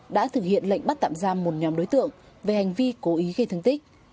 đã thực hiện lệnh bắt tạm giam một nhóm đối tượng về hành vi cố ý gây thương tích